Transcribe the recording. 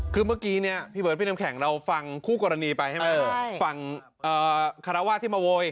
เมื่อกี้พี่เบิร์ดเป็นน้ำแข็งเราฟังคู่กรณีฝั่งฮหรืออะไร